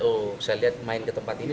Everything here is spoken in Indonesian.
oh saya lihat main ke tempat ini